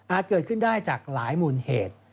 เกิดขึ้นได้จากหลายมูลเหตุ